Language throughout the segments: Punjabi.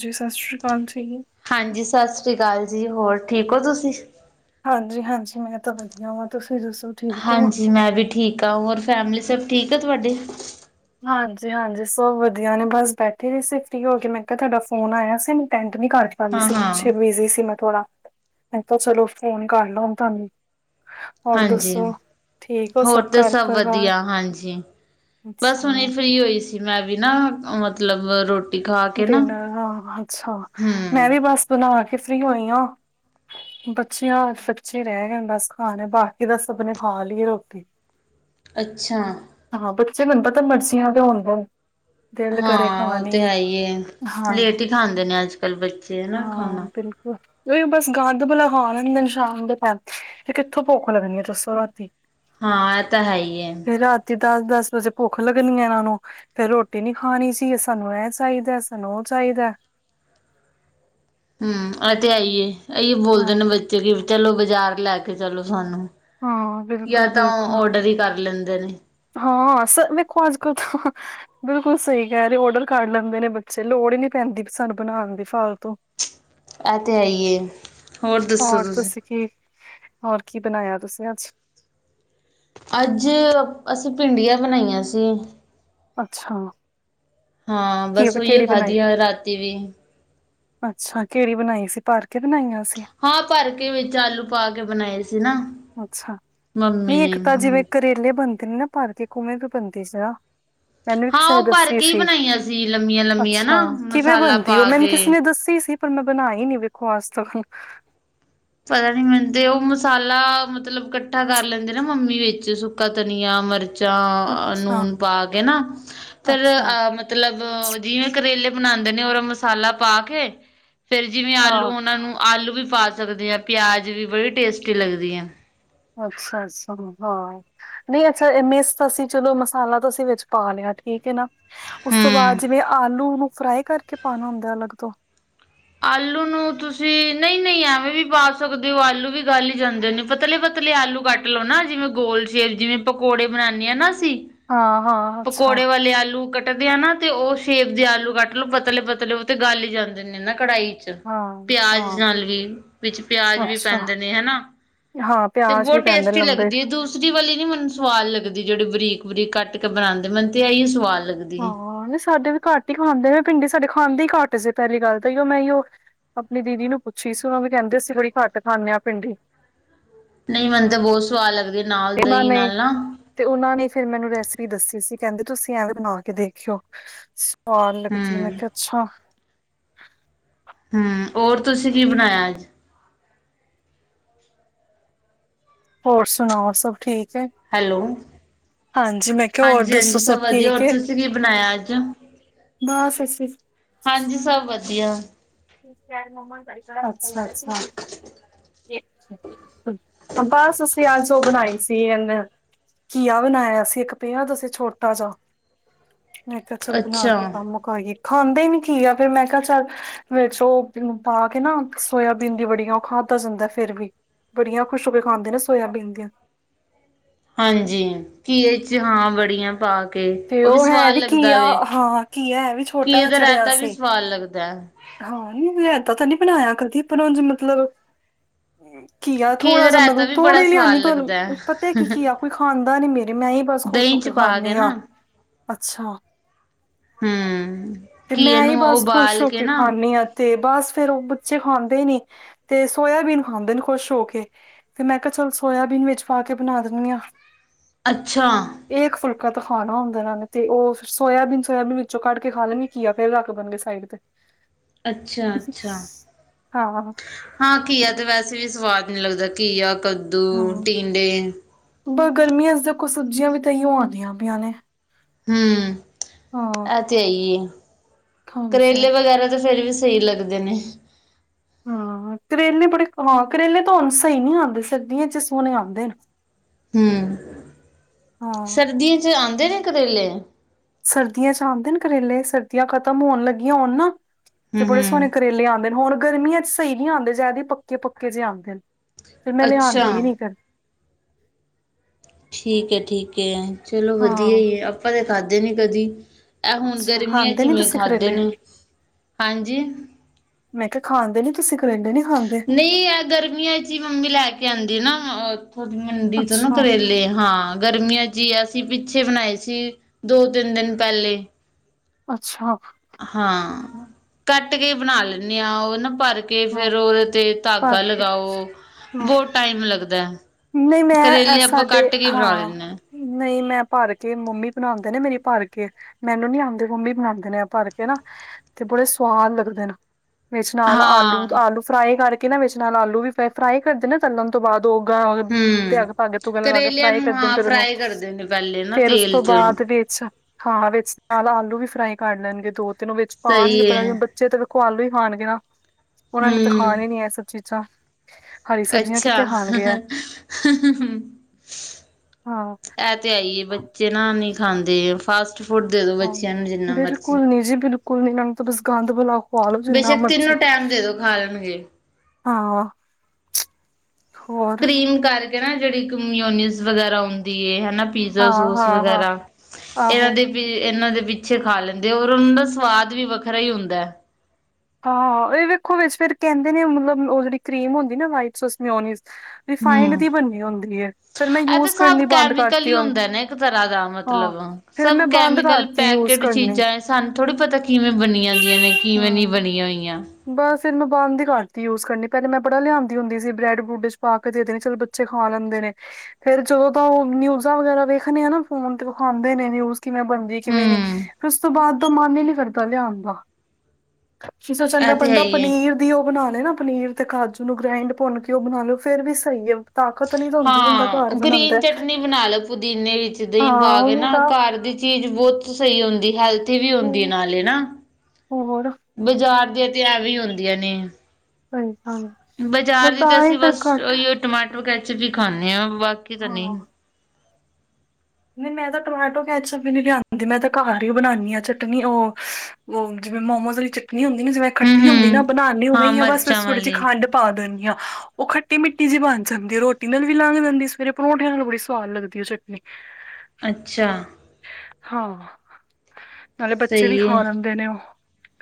ਜੀ ਸਤਿ ਸ਼੍ਰੀ ਅਕਾਲ ਜੀ। ਹਾਂਜੀ ਸਤਿ ਸ੍ਰੀ ਅਕਾਲ ਜੀ ਹੋਰ ਠੀਕ ਹੋ ਤੁਸੀਂ ਹਾਂਜੀ-ਹਾਂਜੀ ਮੈਂ ਤਾਂ ਵਧੀਆ ਵਾਂ ਤੁਸੀਂ ਦੱਸੋ। ਠੀਕ ਹੋ? ਹਾਂਜੀ ਮੈਂ ਵੀ ਠੀਕ ਹਾਂ ਹੋਰ ਫੈਮਲੀ ਸਭ ਠੀਕ ਆ ਤੁਹਾਡੇ ਹਾਂਜੀ-ਹਾਂਜੀ ਸਭ ਵਧੀਆ ਨੇ ਬਸ ਬੈਠੇ ਰੀ ਸੀ ਫਰੀ ਹੋ ਕੇ ਮੈਂ ਕਿਆ ਤੁਹਾਡਾ ਫੋਨ ਆਇਆ ਸੀ ਮਨੂੰ ਟੈਂਟ ਨੀ ਕਰ ਹਾਂਜੀ ਹਾਂ ਸੀ ਹਾਂ ਪਿੱਛੇ ਬਿਜੀ ਸੀ ਮੈਂ ਥੋੜਾ ਮੈਂ ਤਾਂ ਚਲੋ ਫੋਨ ਕਰ ਲੋਂ ਤੁਆਨੂੰ ਹਾਂਜੀ ਠੀਕ ਹੋ ਹੋਰ ਤਾਂ ਘਰ ਸਭ ਪਰਿਵਾਰ ਵਧੀਆ ਹਾਂਜੀ। ਬਸ ਹੁਣੀ ਅੱਛਾ ਫਰੀ ਹੋਈ ਸੀ ਮੈਂ ਵੀ ਨਾ ਮਤਲਬ ਰੋਟੀ ਖਾ ਕੇ ਨਾ ਡਿਨਰ ਹਾਂ ਅੱਛਾ ਮੈਂ ਹੂੰ ਵੀ ਬਸ ਬਣਾ ਕੇ ਫਰੀ ਹੋਈ ਹਾਂ। ਬੱਚਿਆਂ ਸੱਚੀ ਰਏ ਗਏ ਬਸ ਖਾਣ ਬਾਕੀ ਤਾਂ ਸਭ ਨੇ ਖਾ ਲਈ ਏ ਰੋਟੀ ਅੱਛਾ ਹਾਂ ਬੱਚੇ ਮੈਨੂੰ ਪਤਾ ਮਰਜ਼ੀਆਂ ਵਾਲੇ ਹੁਣ ਦੇ ਦਿਲ ਕਰੇ ਖਾਣੀ ਏ। ਡੀ ਏ ਐਨ ਹਨਾ ਹਾਂ-ਹਾਂ ਖਾਣਾ ਬਿਲਕੁਲ ਉਹੀ ਬਸ ਗੰਦ ਬਲਾ ਖਾ ਲੈਣਗੇ ਸ਼ਾਮ ਦੇ ਟੈਮ ਫਿਰ ਕਿੱਥੋਂ ਭੁੱਖ ਲੱਗਣੀ ਆ ਦੱਸੋ ਰਾਤੀ ਹਾਂ ਇਹ ਤਾਂ ਹੈ ਈ ਏ। ਫਿਰ ਰਾਤੀ ਦੱਸ-ਦੱਸ ਵਜੇ ਭੁੱਖ ਲੱਗਣੀ ਹੈ ਇਹਨਾਂ ਨੂੰ ਫਿਰ ਰੋਟੀ ਨੀ ਖਾਣੀ ਸੀ ਸਾਨੂੰ ਐਂ ਚਾਹੀਦਾ ਸਾਨੂੰ ਓ ਚਾਹੀਦਾ। ਹੂੰ ਆ ਤੇ ਆਈਏ-ਆਈਏ ਬੋਲਦੇ ਹਾਂ, ਨੇ ਬੱਚੇ ਕੀ ਚਲੋ ਬਾਜ਼ਾਰ ਲੈ ਕੇ ਚਲੋ ਸਾਨੂੰ ਹਾਂ ਜਾਂ ਤਾਂ ਬਿਲਕੁਲ-ਬਿਲਕੁਲ ਔਡਰ ਹੀ ਕਰ ਲੈਂਦੇ ਨੇ। ਹਾਂ ਸਰ ਵੇਖੋ ਅੱਜ ਕੱਲ ਬਿਲਕੁਲ ਸਹੀ ਕਹਿ ਰਏ ਔਡਰ ਕਰ ਲੈਂਦੇ ਨੇ ਬੱਚੇ ਲੋੜ ਹੀ ਨਹੀਂ ਪੈਂਦੀ ਸਾਨੂੰ ਬਣਾਉਣ ਦੀ ਫਾਲਤੂ ਇਹ ਤੇ ਹੈ ਈ ਏ। ਹੋਰ ਤੁਸੀਂ ਕੀ, ਹੋਰ ਕੀ ਬਣਾਇਆ ਤੁਸੀਂ ਅੱਜ? ਅੱਜ ਅਸੀਂ ਭਿੰਡੀਆਂ ਬਣਾਈਆਂ ਸੀ। ਅੱਛਾ ਹਾਂ ਕੀ ਬਸ ਉਹੀ ਉ ਕਿਹੜੀ ਬਣਾਈ ਖਾਧੀ ਆ ਰਾਤੀ ਵੀ ਅੱਛਾ ਕਿਹੜੀ ਬਣਾਈ ਸੀ ਭਰ ਕੇ ਬਣਾਈਆਂ ਸੀ। ਹਾਂ ਭਰ ਕੇ ਵਿੱਚ ਆਲੂ ਪਾ ਕੇ ਬਣਾਏ ਸੀ ਨਾ। ਅੱਛਾ ਮੰਮੀ ਨਹੀਂ ਨੇ ਇੱਕ ਤਾਂ ਜਿਵੇਂ ਹੂੰ। ਕਰੇਲੇ ਬਣਦੇ ਨੇ ਨਾ ਭਰ ਕੇ ਉਵੇਂ ਵੀ ਬਣਦੀ ਸੀ ਨਾ। ਮੈਨੂੰ ਵੀ ਹਾਂ ਕਿਸੇ ਨੇ ਉਹ ਭਰ ਦੱਸੀ ਕੇ ਹੀ ਸੀ ਬਣਾਈਆਂ ਸੀ ਲੰਮੀਆਂ-ਲੰਮੀਆਂ ਅੱਛਾ ਨਾ ਕਿਵੇਂ ਮਸਾਲਾ ਬਣਦੀ ਉਹ ਪਾ ਮੈਨੂੰ ਕਿਸੇ ਕੇ। ਨੇ ਦੱਸੀ ਸੀ। ਪਰ ਮੈਂ ਬਣਾਈ ਨੀ ਵੇਖੋ ਅੱਜ ਤੱਕ ਪਤਾ ਨੀ ਮੈਨੂੰ ਤੇ ਉਹ ਮਸਾਲਾ ਮਤਲਬ ਇਕੱਠਾ ਕਰ ਲੈਂਦੇ ਨਾ ਮੰਮੀ ਵਿੱਚ ਸੁੱਕਾ ਧਨੀਆ ਮਿਰਚ ਚਾਂ ਅੱਛਾ ਨੂਨ ਪਾ ਕੇ ਨਾ ਫੇਰ। ਅੱਛਾ ਮਤਲਬ ਜਿਵੇਂ ਕਰੇਲੇ ਬਣਾਉਂਦੇ ਨੇ ਔਰ ਮਸਾਲਾ ਪਾ ਕੇ ਫੇਿਰ ਜਿਵੇਂ ਆਲੂ ਹਾਂ ਉਹਨਾਂ ਨੂੰ ਆਲੂ ਵੀ ਪਾ ਸਕਦੇ ਆ ਪਿਆਜ ਵੀ ਬੜੀ ਟੇਸਟੀ ਲੱਗਦੀਆਂ। ਅੱਛਾ -ਅੱਛਾ ਹਾਂ। ਨਹੀਂ ਅੱਛਾ ਇਹ ਮਿਸ ਅਸੀਂ ਚਲੋ ਮਸਾਲਾ ਤੁਸੀਂ ਵਿੱਚ ਪਾ ਲਿਆ ਠੀਕ ਹੈ ਨਾ। ਉਸ ਤੋਂ ਬਾਅਦ ਹਮ ਜਿਵੇਂ ਆਲੂ ਨੂੰ ਫਰਾਈ ਕਰਕੇ ਪਾਉਣਾ ਹੁੰਦਾ ਅਲੱਗ ਤੋਂ ਆਲੂ ਨੂੰ ਤੁਸੀਂ ਨਹੀਂ ਨਹੀਂ ਐਵੇਂ ਵੀ ਪਾ ਸਕਦੇ ਹੋ ਆਲੂ ਵੀ ਗੱਲ ਹੀ ਜਾਂਦੇ ਨੇ ਪਤਲੇ ਪਤਲੇ ਆਲੂ ਕੱਟ ਲਉ ਨਾ ਜਿਵੇਂ ਗੋਲ ਸ਼ੇਪ ਜਿਵੇਂ ਪਕੌੜੇ ਬਣਾਨੇ ਆ ਨਾ ਅਸੀਂ ਹਾਂ ਹਾਂ ਅੱਛਾ ਪਕੌੜੇ ਵਾਲੇ ਆਲੂ ਕੱ ਕੱਟਦੇ ਆ ਨਾ ਤੇ ਉਹ ਸ਼ੇਪ ਦੇ ਆਲੂ ਕੱਟ ਲਓ ਪਤਲੇ ਪਤਲੇ ਉਹ ਤੇ ਗੱਲ ਹੀ ਜਾਂਦੇ ਨੇ ਨਾ ਕੜਾਈ ਚ ਹਾਂ ਪਿਆਜ ਹਾਂ ਨਾਲ ਵੀ ਵਿੱਚ ਪਿਆਜ ਵੀ ਅੱਛਾ ਪੈਂਦੇ ਨੇ ਹਨਾ। ਹਾਂ। ਤੇ ਪਿਆਜ ਵੀ ਬਹੁਤ ਪੈਂਦੇ ਟੇਸਟੀ ਲੰਬੇ ਲਗਦੀ ਹੈ ਦੂਸ- -ਰੀ ਵਾਲੀ ਨੀ ਮੈਨੂੰ ਸਵਾਦ ਲੱਗਦੀ। ਜਿਹੜੀ ਬਰੀਕ- ਬਰੀਕ ਕੱਟ ਕੇ ਬਣਾਉਂਦੇ। ਮੈਨੂੰ ਤੇ ਆਹੀ ਸਵਾਦ ਲੱਗਦੀ। ਹੈ ਹਾਂ ਨਹੀਂ ਸਾਡੇ ਵੀ ਘੱਟ ਹੀ ਖਾਂਦੇ ਭਿੰਡੀ। ਸਾਡੇ ਖਾਂਦੇ ਈ ਘੱਟ ਸੀ ਪਹਿਲੀ ਗੱਲ ਤਾਂ ਈ ਮੈਂ ਉਹ- ਆਪਣੀ ਦੀਦੀ ਨੂੰ ਪੁੱਛੀ ਸੀ ਉਹਨਾ ਵੀ ਕਹਿੰਦੇ ਸੀ, ਥੋੜੀ ਘਟ ਖਾਦੇ ਹਾਂ ਭਿੰਡੀ। ਨਹੀਂ ਮੈਨੂੰ ਤਾਂ ਬਹਤ ਸਵਾਦ ਲੱਗਦੀ। ਨਾਲ ਤੇ ਦਹੀਂ ਮਾਮੇ ਨਾਲ ਨਾ ਤੇ ਉਹਨਾ ਨੇ ਫਿਰ ਮੈਨੂੰ ਰੈਸਪੀ ਦੱਸੀ ਸੀ ਕਹਿੰਦੇ, ਤੁਸੀਂ ਐਂਵੇ ਬਣਾ ਕੇ ਦੇਖਿਓ। ਸਵਾਦ ਲੱਗਦੀ ਮੈਂ ਹੂੰ। ਕਿਹਾ ਅੱਛਾ। ਹੂ, ਹੋਰ ਤੁਸੀਂ ਕੀ ਬਣਾਇਆ ਅੱਜ? ਹੋਰ ਸੁਣਾਓ ਸਭ ਠੀਕ ਹੈ? ਹੈਲੋ, ਹਾਂਜੀ ਮੈਂ ਕਿਹਾ ਹੋਰ ਦੱਸੋ ਹਾਂਜੀ-ਹਾਂਜੀ ਸਭ ਵਧੀਆ, ਠੀਕ ਹੋਰ ਹੈ ਤੁਸੀਂ ਕੀ ਬਣਾਇਆ ਅੱਜ? ਬਸ ਅਸੀ। ਹਾਂਜੀ, ਸਭ ਵਧੀਆ। ਕਹਿੰਦੀ ਮਮਾ ਤੜਕਾ। ਅੱਛਾ, ਅੱਛਾ। ਬਸ ਅਸੀਂ, ਅੱਜ ਉਹ ਬਣਾਈ ਸੀ ਇਹਨੇ- ਘੀਆ ਬਣਾਇਆ ਸੀ। ਇੱਕ ਪਿਆ ਦਾ ਸੀ ਛੋਟਾ ਜਿਹਾ। ਮੈਂ ਕਿਹਾ ਚੱਲ ਬਣਾ ਕੇ ਅੱਛਾ। ਕੰਮ ਮੁਕਾਈਏ। ਖਾਂਦੇ ਹੀ ਨੀ ਘੀਆ ਮੈਂ ਕਿਹਾ ਚੱਲ। ਵਿੱਚ ਉਹ ਪਾ ਕੇ ਨਾ ਸੋਇਆਬੀਨ ਦੀ ਵੜੀਆਂ ਉਹ ਖਾਧਾ ਜਾਂਦਾ ਫਿਰ ਵੀ। ਵੜੀਆਂ ਖੁਸ਼ ਹੋ ਕੇ ਖਾਂਦੇ ਨੇ ਸੋਆਬੀਨ ਦੀਆਂ- ਹਾਂਜੀ, ਘੀਏ ਵਿੱਚ ਹਾਂ, ਵੜੀਆਂ ਪਾ ਕੇ ਤੇ ਉਹ ਵੀ ਹੈ ਸਵਾਦ ਲੱਗਦਾ ਘੀਆ ਵੇ। ਹਾਂ ਘੀਆ ਹੈ ਵੀ ਛੋਟਾ ਘੀਏ ਤਾਂ ਦਾ ਚੜਿਆ ਰਾਇਤਾ ਵੀ ਸੀ ਸਵਾਦ ਲੱਗਦਾ ਹੈ। ਹਾਂ, ਰਾਇਤਾ ਤਾਂ ਨੀ ਬਣਾਇਆ ਕਦੀ ਪਰ ਉੰਝ ਮਤਲਬ- ਘੀਆ ਘੀਏ ਥੋੜ੍ਹਾ ਦਾ ਜਿਹਾ ਰਾਇਤਾ ਮਤਲਬ ਵੀ ਬੜਾ ਥੋੜੇ ਸਵਾਦ ਲਿਆਉਦੀ। ਲੱਗਦਾ ਤੁਹਾਨੂੰ ਪਤਾ ਕੀ ਹੈ। ਘੀਆ ਕੋਈ ਖਾਂਦਾ ਨੀ ਮੇਰੇ। ਮੈਂ ਹੀ ਬਸ- ਖੁਸ਼ ਹੋ ਦਹੀਂ ਚ ਕੇ ਪਾ ਖਾਨੀ ਆ, ਨਾ ਅੱਛਾ ਹੂੰ ਤੇ ਘੀਏ ਮੈਂ ਹੀ ਨੂੰ ਬਸ ਖੁਸ਼ ਉਬਾਲ ਹੋ ਕੇ ਨਾ ਖਾਂਨੀ ਆਂ। ਤੇ ਬਸ ਫੇਰ ਉਹ ਬੱਚੇ ਖਾਂਦੇ ਨੀ ਤੇ ਸੋਇਆਬੀਨ ਖਾਂਦੇ ਨੇ ਖੁਸ਼ ਹੋ ਕੇ। ਫਿਰ ਮੈਂ ਕਿਹਾ ਚਲ ਸੋਇਆਬੀਨ ਵਿੱਚ ਪਾ ਕੇ ਬਣਾ ਦੇਣੀ ਹਾਂ। ਅੱਛਾ। ਇੱਕ ਫੁਲਕਾ ਤਾਂ ਖਾਣਾ ਹੁੰਦਾ ਇਹਨਾ ਨੇ ਤੇ ਉਹ ਸੋਇਆਬੀਨ-ਸੋਇਆਬੀਨ ਵਿੱਚੋਂ ਕੱਢ ਕੇ ਖਾ ਲੈਣਗੇ। ਘੀਆ ਫਿਰ ਰੱਖ ਦੇਣਗੇ ਸਾਈਡ ਤੇ। ਅੱਛਾ ਤੁਸੀ ਅੱਛਾ ਹਾਂ, ਹਾਂ ਘੀਆ ਤੇ ਵੈਸੇ ਵੀ ਸਵਾਦ ਨਹੀਂ ਲੱਗਦਾ। ਘੀਆ, ਕੱਦੂ, ਟੀਂਡੇ, ਪਰ ਗਰਮੀਆਂ ਚ ਤਾਂ ਕੋਈ ਸਬਜ਼ੀਆਂ ਵੀ ਤੇ ਏਹਿਓ ਆਉਂਦੀਆਂ ਪਈਆਂ ਨੇ। ਹੂ, ਹਾਂ ਇਹ ਤੇ ਹੈ ਈ ਐ, ਹਾਂਜੀ ਕਰੇਲੇ ਵਗੈਰਾ ਤਾਂ ਫੇਰ ਵੀ- ਸਹੀ ਲੱਗਦੇ ਨੇ। ਹਾਂ, ਕਰੇਲੇ ਬੜੇ ਹਾਂ, ਕਰੇਲੇ ਤਾਂ ਹੁਣ ਸਹੀ ਨਹੀਂ ਆਉਂਦੇ। ਸਰਦੀਆਂ ਚ ਸੋਹਣੇ ਆਉਂਦੇ ਨੇ। [inaudible] ਹੂ, ਹਾਂ ਸਰਦੀਆਂ ਚ ਆਉਂਦੇ ਨੇ ਕਰੇਲੇ। ਸਰਦੀਆਂ ਚ ਆਉਂਦੇ ਕਰੇਲੇ ਸਰਦੀਆਂ ਖਤਮ ਹੋਣ ਲੱਗੀਆਂ ਹੋਣ ਨਾ- ਤੇ ਬੜੇ ਸੋਹਣੇ ਹੂੰ ਕਰੇਲੇ ਆਉਂਦੇ ਨੇ, ਹੁਣ ਗਰਮੀਆਂ ਚ ਸਹੀ ਨਹੀਂ ਆਉਂਦੇ ਜਿਆਦੇ ਪੱਕੇ-ਪੱਕੇ ਜਿਹੇ ਆਉਂਦੇ ਨੇ। ਫਿਰ ਮੈਂ ਅੱਛਾ ਲਿਆਉਂਦੀ ਹੀ ਨੀ ਕਦੀ। ਠੀਕ ਹੈ ਠੀਕ ਹੈ, ਚਲੋ ਵਧੀਆ ਹਾਂ ਹੀ ਹੈ। ਆਪਾਂ ਤਾਂ ਖਾਧੇ ਨਹੀਂ ਕਦੀ। ਇਹ ਹੁਣ ਅੱਛਾ ਗਰਮੀਆਂ 'ਚ ਖਾਂਦੇ ਨੀ ਇਵੇਂ ਤੁਸੀਂ ਖਾਧੇ ਕਰੇਲੇ ਨੇ, ਹਾਂਜੀ। ਮੈਂ ਕਿਹਾ ਖਾਂਦੇ ਨੀ, ਤੁਸੀਂ ਕਰੇਲੇ ਨੀ ਖਾਂਦੇ। ਨਹੀਂ ਐ ਗਰਮੀਆਂ ਚ ਹੀ ਮੰਮੀ ਲੈ ਕੇ ਆਉਂਦੀ ਨਾ ਮੰਡੀ ਤੋਂ ਨਾ ਅੱਛਾ ਕਰੇਲੇ ਹਾਂ ਗਰਮੀਆਂ ਚ। ਜੀ, ਅਸੀਂ ਪਿੱਛੇ ਬਣਾਏ ਸੀ ਦੋ-ਤਿੰਨ ਦਿਨ ਪਹਿਲੇ। ਅੱਛਾ। ਹਾਂ, ਕੱਟ ਕੇ ਈ ਬਣਾ ਲੈਂਨੀ ਆਂ, ਹਾਂ ਨਾ ਭਰ ਕੇ- ਕੇ ਹਾਂ ਫੇਰ ਉਹਦੇ ਤੇ ਭਰ ਧਾਗਾ ਕੇ ਲਗਾਓ ਹਾਂ ਬਹੁਤ ਟਾਈਮ ਲੱਗਦਾ ਹੈ। ਨਹੀਂ ਮੈਂ ਐ ਸਾਡੇ ਹਾਂ। ਨਹੀਂ ਮੈਂ ਭਰ ਕੇ ਮੰਮੀ ਬਣਾਉਂਦੇ ਨੇ ਮੇਰੀ ਭਰ ਕੇ। ਮੈਨੂੰ ਨੀ ਆਉਂਦੇ ਮੰਮੀ ਬਣਾਉਂਦੇ ਨੇ ਐ ਭਰ ਕੇ ਨਾ, ਤੇ ਬੜੇ ਸਵਾਦ ਲੱਗਦੇ ਨੇ। ਵਿੱਚ ਨਾਲ ਆਲੂ ਹਾਂ ਆਲੂ ਫਰਾਈ ਕਰਕੇ ਨਾ ਵਿੱਚ ਨਾਲ ਆਲੂ ਵੀ ਫਰਾਈ ਕਰਦੇ ਨਾ, ਤਲਣ ਤੋਂ ਬਾਅਦ ਉਹ। ਤਾਂ ਹੂੰ ਉਹਦੇ ਧਾਗੇ ਧੂਗੇ ਲਗਾ ਕੇ ਕਰੇਲਿਆਂ ਫਰਾਈ ਨੂੰ ਕਰਦੇ ਹਾਂ ਫਿਰ ਉਹਨੂੰ, ਫਰਾਈ ਕਰਦੇ ਨੇ ਪਹਿਲੇ ਨਾ ਫੇਰ ਉਸ ਤੇਲ ਤੋਂ 'ਚ ਬਾਅਦ ਵਿੱਚ। ਹਾਂ ਵਿੱਚ ਨਾਲ ਆਲੂ ਵੀ ਫਰਾਈ ਕਰ ਲੈਣਗੇ ਦੋ ਤਿੰਨ ਉਹ ਵਿੱਚ ਸਹੀ ਪਾਉਣਗੇ ਏ ਬੜਾ ਬੱਚੇ ਤਾਂ ਵੇਖੋ ਆਲੂ ਹੀ ਖਾਣਗੇ ਨਾ, ਉਹਨਾਂ ਨੇ ਤਾਂ ਹੂੰ ਖਾਣੀ ਹੀ ਨੀ ਇਹ ਸਭ ਚੀਜ਼ਾਂ। ਹਰੀ ਸਬਜ਼ੀਆਂ ਕਿੱਥੇ ਖਾਣਗੇ ਇਹ। ਹੂ ਹੂ ਹੂ ਹਾਂ। ਇਹ ਤੇ ਹੈ ਈ ਹੈ, ਬੱਚੇ ਨਾ ਨੀ ਖਾਂਦੇ ਫਾਸਟ ਫੂਡ ਦੇ ਦੋ ਹਾਂ ਬੱਚਿਆਂ ਨੂੰ ਜਿੰਨਾ ਮਰਜ਼ੀ। ਬਿਲਕੁਲ ਜੀ ਬਿਲਕੁਲ ਨੀ, ਇਹਨਾਂ ਨੂੰ ਤਾਂ ਬਸ ਗੰਧ ਬੁਲਾ ਖਵਾ ਲਓ ਜਿੰਨਾ ਬੇਸ਼ੱਕ ਮਰਜ਼ੀ। ਤਿੰਨੋ ਟਾਈਮ ਦੇ ਦੋ ਖਾ ਲੈਣਗੇ ਹਾਂ। ਹੋਰ ਕਰੀਮ ਕਰਕੇ ਨਾ ਜਿਹੜੀ ਮਯੋਨਿਸ ਵਗੈਰਾ ਹੁੰਦੀ ਹੈ ਹੈਨਾ। ਪੀਜ਼ਾ ਹਾਂ ਸੋਸ ਹਾਂ ਹਾਂ ਵਗੈਰਾ ਆਹੋ ਇਹਨਾਂ ਦੇ। ਵੀ ਇਹਨਾਂ ਦੇ ਪਿੱਛੇ ਖਾ ਲੈਂਦੇ, ਔਰ ਉਹਨਾਂ ਦਾ ਸਵਾਦ ਵੀ ਵੱਖਰਾ ਹੀ ਹੁੰਦਾ। ਹਾਂ ਇਹ ਵੇਖੋ ਵਿੱਚ ਫਿਰ ਕਹਿੰਦੇ ਨੇ ਮਤਲਬ ਉਹ ਜਿਹੜੀ ਕੀਮ ਹੁੰਦੀ ਨਾ, ਵਾਇਟ ਸੋਸ ਮਯੋਨਿਜ਼ ਰਿਫਾਈਡ ਹੂੰ ਦੀ ਬਣੀ ਹੁੰਦੀ ਹੈ। ਫਿਰ ਮੈਂ ਇਹ ਤਾਂ ਯੂਜ ਸਭ ਕਰਨੀ ਬੰਦ ਕੈਮੀਕਲ ਕਰਤੀ ਹੀ ਹੁਣ ਹੁੰਦਾ ਨਾ ਇੱਕ ਤਰ੍ਹਾਂ ਦਾ ਹਾਂ। ਮਤਲਬ ਫਿਰ ਸਭ ਮੈਂ ਬੰਦ ਕੈਮੀਕਲ ਕਰਤੀ ਯੂਜ ਪੈਕੇਡ ਕਰਨੀ ਚੀਜ਼ਾਂ ਸਾਨੂੰ ਥੋੜ੍ਹੀ ਪਤਾ ਕਿਵੇਂ ਬਣਦੀਆਂ ਨੇ ਕਿਵੇਂ ਨਹੀਂ ਹੂੰ ਬਣੀਆਂ ਹੋਈਆਂ। ਬਸ ਫਿਰ ਮੈਂ ਬੰਦ ਹੀ ਕਰਤੀ ਯੂਜ ਕਰਨੀ ਪਹਿਲੇ ਮੈਂ ਬੜਾ ਲਿਆਂਉਦੀ ਹੁੰਦੀ ਸੀ ਬ੍ਰੈਡ ਬਰੁੱਡ 'ਚ ਪਾ ਕੇ ਦੇ ਦੇਣੀ ਚਲ। ਬੱਚੇ ਖਾਂ ਲੈਂਦੇ ਨੇ। ਫੇਰ ਜਦੋਂ ਤੋਂ ਉਹ ਨਿਊਜ਼ਾਂ ਵਗੈਰਾ ਵੇਖਦੇ ਆ ਨਾ ਫੋਨ ਤੇ ਵਿਖਾਂਦੇ ਨੇ ਨਿਊਜ਼ ਕਿਵੇਂ ਬਣਦੀ। ਕਿਵੇਂ ਨਹੀਂ ਹੂੰ ਫਿਰ ਉਸ ਤੋਂ ਬਾਅਦ ਦਾ ਮਨ ਹੀ ਨੀ ਕਰਦਾ ਲਿਆਉਣ ਦਾ। ਜੋ ਚੰਗਾ ਇਹ ਤੇ ਹੈ ਬੰਦਾ ਹੀ ਏ ਪਨੀਰ। ਦੀ ਉਹ ਬਣਾ ਲਏ ਨਾ ਪਨੀਰ ਤੇ ਕਾਜੂ ਨੂੰ ਗ੍ਰੈਂਡ ਭੁੰਨ ਕੇ ਉਹ ਬਣਾ ਲਓ ਫੇਰ ਵੀ ਸਹੀ ਹੈ। ਤਾਕਤ ਨੀ ਤਾਂ ਹੁੰਦੀ ਬੰਦਾ ਹਾਂ ਘਰ ਉਹ ਗਰੀਨ ਬਣਾਉਂਦਾ ਚਟਨੀ ਬਣਾ ਲਓ ਪੁਦੀਨੇ ਵਿੱਚ ਦਹੀਂ ਹਾਂ ਪਾ ਕੇ ਉਹਨੇ ਨਾ ਤਾਂ ਘਰ ਦੀ। ਚੀਜ਼ ਬਹੁਤ ਸਹੀ ਹੁੰਦੀ ਹੈਲਥੀ ਵੀ ਹੁੰਦੀ ਹੈ ਹਮ, ਨਾਲੇ ਨਾ। ਹੋਰ। ਬਜ਼ਾਰ ਦੀਆਂ ਤੇ ਐਵੇਂ ਹੁੰਦੀਆਂ ਨੇ। ਸਹੀ ਸਾਨੂੰ ਬਾਜ਼ਾਰ ਬ ਦੀ ਤਾਂ ਹੀ ਅਸੀਂ ਫਿਰ ਬਸ। ਘੱਟ ਟਮਾਟਰ ਕੈਚਪੀ ਹੀ ਖਾਂਦੇ ਹਾਂ ਬਾਕੀ ਤਾਂ ਨਹੀਂ। ਹਾਂ ਨਹੀਂ ਮੈਂ ਤਾਂ ਟਮਾਟੋ ਕੈਚਪ ਵੀ ਨੀ ਲਿਆਂਦੀ ਮੈਂ ਤਾਂ ਘਰ ਹੀ ਬਣਾਉਣੀ ਆਂ ਚਟਨੀ ਉਹ। ਮੋਮੋਜ ਜਿਵੇਂ ਮੋਮੋਜ਼ ਵਾਲੀ ਚਟਨੀ ਹੁੰਦੀ ਨਾ ਜਿਵੇਂ ਹੂੰ ਖੱਟੀ ਹੁੰਦੀ ਨਾ ਹੂੰ ਬਣਾਉਣੀ ਹੋਵੇ ਹਾਂ ਜਾ ਬਸ ਮਿਰਚਾਂ ਥੋੜੀ ਜਿਹੀ ਵਾਲੀ ਖੰਡ। ਪਾ ਦਿੰਦੀ ਹਾਂ ਉਹ ਖੱਟੀ ਮਿੱਟੀ ਜਿਹੀ ਬਣ ਜਾਂਦੀ ਆ ਰੋਟੀ ਨਾਲ ਵੀ ਲੰਘ ਜਾਂਦੀ ਸਵੇਰੇ ਪਰੌਠੇ ਨਾਲ ਬੜੀ ਸਵਾਦ ਲੱਗਦੀ। ਲੱਗਦੀ ਉਹ ਚਟਨੀ। ਅੱਛਾ। ਹਾਂ ਨਾਲੇ ਬੱਚੇ ਵੀ ਸਹੀ ਹੈ ਖਾ ਲੈਂਦੇ ਨੇ ਉਹ।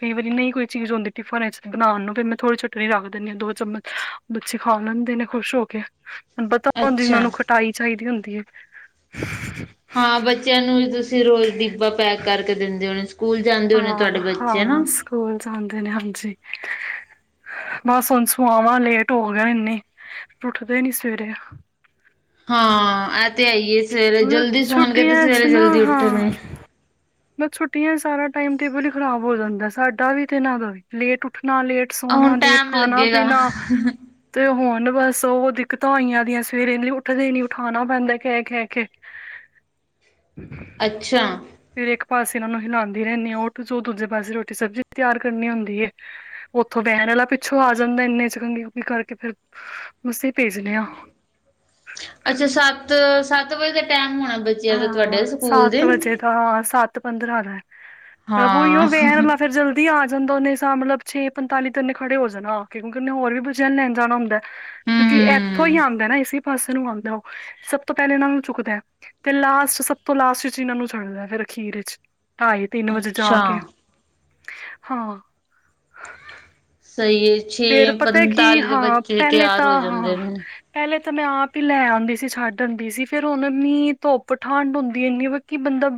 ਕਈ ਵਾਰੀ ਨਹੀਂ ਕੋਈ ਚੀਜ਼ ਹੁੰਦੀ ਟਿਫਨ ਵਿੱਚ ਬਣਾਉਣ ਨੂੰ ਫਿਰ ਮੈਂ ਥੋੜ੍ਹੀ ਚਟਨੀ ਰੱਖ ਦਿੰਦੀ ਹਾਂ ਦੋ ਚਮਚ। ਬੱਚੇ ਖਾ ਲੈਂਦੇ ਨੇ ਖੁਸ਼ ਹੋ ਕੇ ਤੈਨੂੰ ਪਤਾ ਅੱਛਾ ਇਹਨਾਂ ਨੂੰ ਖਟਾਈ ਚਾਹੀਦੀ ਹੁੰਦੀ ਹੈ। ਹੂੰ। ਹਾਂ ਬੱਚਿਆਂ ਨੂੰ ਵੀ ਤੁਸੀਂ ਰੋਜ਼ ਡੀਬਾ ਪੈਕ ਕਰਕੇ ਦਿੰਦੇ ਹੋਣੇ। ਸਕੂਲ ਜਾਂਦੇ ਹੋਣੇ ਤੁਹਾਡੇ ਹਾਂ ਬੱਚੇ ਹਨਾ। ਹਾਂ ਸਕੂਲ ਜਾਂਦੇ ਨੇ ਹਾਂਜੀ। ਬਸ ਹੁਣ ਸੁਆਵਾਂ ਲੇਟ ਹੋ ਰਹੇ ਆਂ ਇੰਨੇ ਫੇਰ ਉੱਠਦੇ ਨੀ ਸਵੇਰੇ। ਹਾਂ ਇਹ ਤੇ ਆਈਏ ਸਵੇਰੇ ਜਲਦੀ ਸੌਣਗੇ ਤੇ ਛੁੱਟੀਆਂ ਚ ਸਵੇਰੇ ਨਾ ਜਲਦੀ ਹਾਂ ਉੱਠਣਗੇ। ਬਸ ਛੁੱਟੀਆਂ ਸਾਰਾ ਟਾਈਮ ਟੇਬਲ ਹੀ ਖਰਾਬ ਹੋ ਜਾਂਦਾ ਸਾਡਾ ਵੀ ਤੇ ਇਹਨਾਂ ਦਾ ਵੀ ਲੇਟ ਉੱਠਣਾ ਲੇਟ। ਸੌਣਾ, ਹੁਣ ਲੇਟ ਟੈਮ ਖਾਣਾ ਲੱਗੇਗਾ ਪੀਣਾ। ਤੇ ਹੁਣ ਬਸ ਉਹ ਦਿੱਕਤਾਂ ਆਈਆਂ ਦੀਆਂ ਸਵੇਰੇ ਉੱਠਦੇ ਨੀ ਉਠਾਉਣਾ ਪੈਂਦਾ ਕਹਿ ਕਹਿ ਕੇ। ਹੂੰ। ਅੱਛਾ! ਫਿਰ ਇੱਕ ਪਾਸੇ ਇਹਨਾ ਨੂੰ ਹਿਲਾਦੀ ਰਹਿਣੀ ਆ, ਉੱਠ ਜੋ ਦੂਜੇ ਪਾਸੇ ਰੋਟੀ- ਸਬਜ਼ੀ ਵੀ ਤਿਆਰ ਕਰਨੀ ਹੁੰਦੀ ਐ। ਉੱਥੋਂ ਵੇਨ ਵਾਲਾ ਪਿੱਛੋਂ ਆ ਜਾਂਦਾ। ਇੰਨੇ 'ਚ ਕੰਗੀ ਕੁੰਗੀ ਕਰਕੇ ਫੇਰ ਮਸਾ ਹੀ ਭੇਜ ਦੇ ਆ। ਅੱਛਾ! ਸੱਤ- ਸੱਤ ਵਜੇ ਦਾ ਟਾਈਮ ਹੋਣਾ ਬਚ ਹਾਂ! ਸੱਤ ਵਜੇ ਦਾ। ਸੱਤ ਪੰਦਰਾਂ ਦਾ ਐ। ਹਾਂ [unintelligible] ਦੀ ਆ ਜਾਂਦਾ। ਉਹਨੇ ਸਾਂ ਮਤਲਬ ਛੇ ਪੰਤਾਲੀ ਤੇ ਓਨੇ ਖੜੇ ਹੋ ਜਾਨਾ ਆ ਕੇ। ਕਿਉਂਕਿ ਉਹਨੇ ਹੋਰ ਵੀ ਬੱਚਿਆਂ ਨੂੰ ਲੈਣ ਜਾਣਾ ਹੁੰਦਾ। ਕਿਉਂਕਿ! ਅਏਥੋ ਹੀ ਹਮ ਆਦਾ ਨਾ। ਇਸੇ ਪਾਸੇ ਨੂੰ ਆਦਾ ਉਹ ਸਭ ਤੋਂ ਪਹਿਲੇ ਇਹਨਾਂ ਨੂੰ ਚੁੱਕਦਾ। ਤੇ ਲਾਸਟ, ਸਭ ਤੋਂ ਲਾਸਟ ਵਿੱਚ ਇਹਨਾਂ ਨੂੰ ਛੱਡਦਾ ਏ ਫਿਰ ਅਖੀਰ ਵਿੱਚ, ਢਾਈ ਤਿੰਨ ਵਜੇ ਜਾ ਅੱਛਾ ਕੇ। ਹਾਂ! ਸਹੀ ਏ। ਫੇਰ ਪਤਾ ਕੀ! ਹਾਂ! ਪਹਿਲੇ ਤਿਆਰ ਤਾਂ, ਹੋ ਜਾਂਦੇ ਹਾਂ! ਨੇ ਪਹਿਲੇ ਤਾਂ ਮੈਂ ਆਪ ਹੀ ਲੈ ਆਦੀ ਸੀ। ਛੱਡ ਆਦੀ ਸੀ। ਫੇਰ ਹੁਣ ਮੀਂਹ, ਧੁੱਪ, ਠੰਡ ਹੁੰਦੀ ਇੰਨੀ ਵ ਕਿ ਬੰਦਾ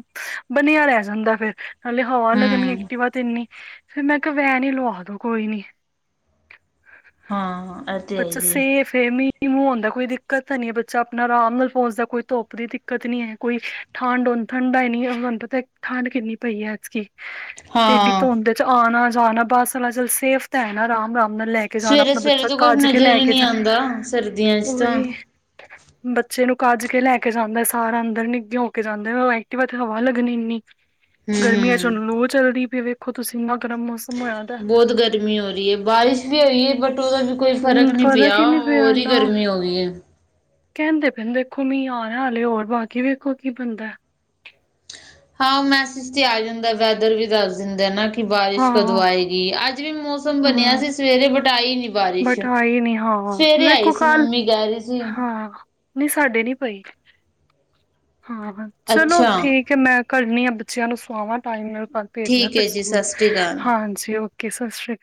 ਬਣਿਆ ਰਹਿ ਜਾਂਦਾ, ਫੇਰ। ਹਲੇ ਹਵਾ ਲੱਗਣੀ ਹਮ ਐਕਟੀਵਾ ਤੇ ਇੰਨੀ ਤੇ ਫਿਰ ਮੈਂ ਕਿਹਾ ਵੇਨ ਹੀ ਲਵਾ ਦੋ ਕੋਈ ਨੀ। [unintelligible] ਮੀ ਹਾਂ ਇਹ ਤੇ ਹੈ ਹੀ ਹੈ [unintelligible] ਮੁਹ ਆਂਦਾ, ਕੋਈ ਦਿੱਕਤ ਤਾਂ ਨਈ ਏ, ਬੱਚਾ ਆਪਣਾ ਆਰਾਮ ਨਾਲ ਪਹੁੰਚਦਾ, ਕੋਈ ਧੁੱਪ ਦੀ ਦਿੱਕਤ ਨੀ ਐ। ਕੋਈ। ਠਾਂਡ ਹੋਣ, ਠੰਡਾ ਹੀ ਨੀ ਏ। ਤੁਹਾਨੂੰ ਪਤਾ ਏ ਠਾਂਡ ਕਿੰਨੀ ਪਈ ਐ, ਐਤਕੀ। ਤੇ, ਇਡੀ ਹਾਂ ਧੁੰਦ ਚ ਆਣਾ ਜਾਣਾ ਬਸ ਆਲਾ ਚਲ ਸੇਫ ਤਾਂ ਏ ਨਾ, ਆਰਾਮ ਰਾਮ ਨਾਲ ਲੈ ਕੇ। ਕੇ ਜਾਣ ਸਵੇਰੇ ਆਪਣਾ ਸਵੇਰੇ ਬੱਚਾ, ਤਾਂ ਕੁਛ ਕੱਜ ਕੇ ਨਜ਼ਰ ਲੈ ਹੀ ਕੇ ਨਹੀਂ ਜਾਣ, ਆਉਂਦਾ ਸਰਦੀਆਂ ਚ ਤਾਂ ਓਇ। ਬੱਚੇ ਨੂੰ ਕੱਜ ਕੇ ਲੈ ਕੇ ਜਾਂਦਾ, ਸਾਰਾ ਅੰਦਰ ਨਿੱਘ ਹੋ ਕੇ ਜਾਂਦਾ, ਓਹ ਐਕਟਿਵਾ ਤੇ ਹਵਾ ਲੱਗਣੀ ਇੰਨੀ। ਗਰਮੀਆਂ ਵਿੱਚ ਹਮ ਹੁਣ ਲੂਅ ਚੱਲਦੀ ਪਈ ਵੇ, ਵੇਖੋ ਤੁਸੀਂ ਇੰਨਾ ਗਰਮ ਮੌਸਮ ਹੋਇਆ। ਦਾ ਬਹੁਤ ਗਰਮੀ ਹੋ ਰਹੀ ਏ, ਬਾਰਿਸ਼ ਵੀ ਹੋਈ ਏ। ਬਟ ਉਹਦਾ ਵੀ ਕੋਈ ਹੂੰ ਫਰਕ ਨੀ ਪਿਆ, ਹੀ ਨੀ ਪਿਆ ਔਰ ਈ ਨਾ ਗਰਮੀ ਹੋ ਗਈ ਏ। ਕਹਿੰਦੇ ਪੈਂਦੇ ਦੇਖੋ ਮੀਹ ਆਣਾ ਅਲੇ ਹੋਰ, ਬਾਕੀ ਵੇਖੋ ਕੀ ਬਣਦੈ। ਹਾ, ਮੈਸਜ਼ ਤੇ ਆ ਜਾਂਦਾ, ਵੈਦਰ ਵੀ ਦੱਸ ਦਿੰਦਾ ਏ ਨਾ ਕਿ, ਬਾਰਿਸ਼ ਹਾਂ ਕਦੋਂ ਆਏਗੀ, ਅੱਜ ਵੀ ਮੌਸ ਸ [unintelligible] ਬਣਿਆ ਹੂੰ ਸੀ। ਸਵੇਰੇ ਬਟ ਆਈ ਨੀ। ਬਟ ਆਈ ਨੀ, ਹਾਂ, ਵੇਖੋ ਸੀ ਕੱਲ? ਮੰਮੀ ਕਹਿ ਰਹੀ ਸੀ ਹਾਂ। ਨਹੀਂ, ਸਾਡੇ ਨੀ ਪਈ, ਹਾਂ, ਚਲੋ ਅੱਛਾ ਠੀਕ। ਕਿ ਮੈਂ ਘਰ ਨੀ ਆ, ਬੱਚਿਆਂ ਨੂੰ ਸਵਾਵਾਂ ਟਾਈਮ ਨਾਲ ਪਰ ਭੇਜਣਾ ਠੀਕ ਫਿਰ ਹੈ ਜੀ ਸਕੂਲ, ਸਤਿ ਸ਼੍ਰੀ ਅਕਾਲ ਹਾਂਜੀ, ਓ। ਕੇ ਸਾਸਰੀ ਆ। [unintelligible]